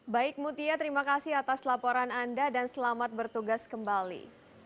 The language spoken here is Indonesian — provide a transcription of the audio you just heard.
baik mutia terima kasih atas laporan anda dan selamat bertugas kembali